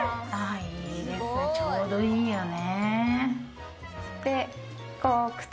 ちょうどいいよね。